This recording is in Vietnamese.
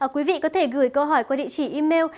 quý vị có thể gửi câu hỏi qua địa chỉ email